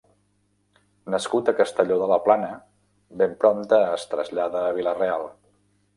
Nascut a Castelló de la Plana, ben prompte es trasllada a Vila-real.